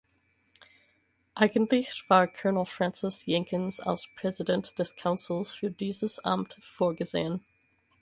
Eigentlich war Colonel Francis Jenkins als Präsident des "Councils" für dieses Amt vorgesehen.